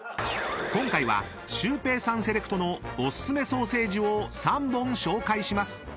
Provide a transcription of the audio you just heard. ［今回はシュウペイさんセレクトのお薦めソーセージを３本紹介します］